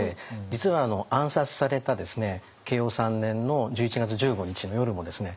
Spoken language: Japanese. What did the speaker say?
実は暗殺された慶応３年の１１月１５日の夜もですね